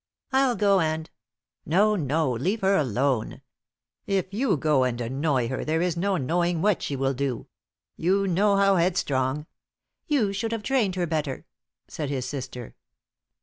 I'll go and " "No, no. Leave her alone. If you go and annoy her, there is no knowing what she will do. You know how headstrong " "You should have trained her better," said his sister.